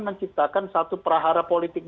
menciptakan satu prahara politik